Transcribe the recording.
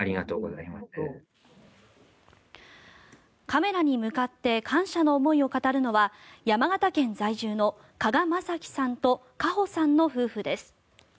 カメラに向かって感謝の思いを語るのは山形県在住の加賀正樹さんと花香さんの夫婦です。